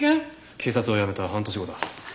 警察を辞めた半年後だ。